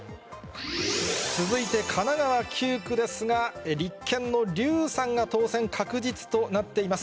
続いて神奈川９区ですが、立憲の笠さんが当選確実となっています。